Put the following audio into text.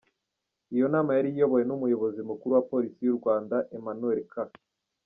Iyo nama yari iyobowe n’Umuyobozi Mukuru wa Polisi y’u Rwanda, Emmanuel K.